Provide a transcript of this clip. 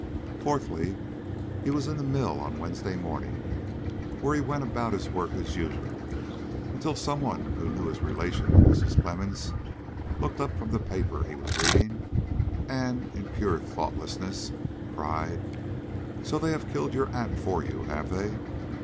"Fourthly, he was in the mill on Wednesday morning, where he went about his work as usual, until some one who knew his relation to Mrs. Clemmens looked up from the paper he was reading, and, in pure thoughtlessness, cried, 'So they have killed your aunt for you, have they?'